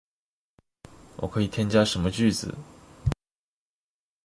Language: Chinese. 我可以添加什么语句？